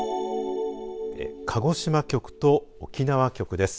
鹿児島局と沖縄局です。